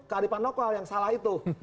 kearifan lokal yang salah itu